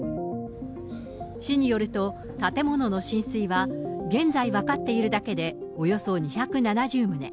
市によると、建物の浸水は現在分かっているだけでおよそ２７０棟。